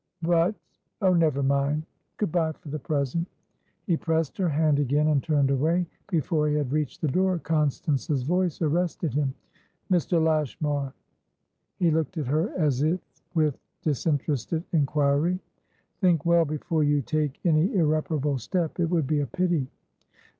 "Butoh, never mind! Good bye, for the present." He pressed her hand again, and turned away. Before he had reached the door, Constance's voice arrested him. "Mr. Lashmar" He looked at her as if with disinterested inquiry. "Think well before you take any irreparable step. It would be a pity."